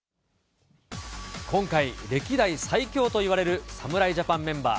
今回、歴代最強といわれる侍ジャパンメンバー。